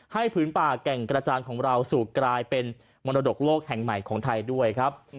ผืนป่าแก่งกระจานของเราสู่กลายเป็นมรดกโลกแห่งใหม่ของไทยด้วยครับ